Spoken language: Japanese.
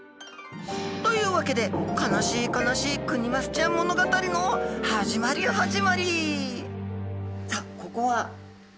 というわけで悲しい悲しいクニマスちゃん物語の始まり始まり。